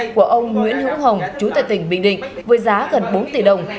của ông nguyễn hữu hồng chú tại tỉnh bình định với giá gần bốn tỷ đồng